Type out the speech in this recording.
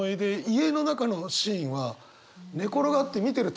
家の中のシーンは寝転がって見てる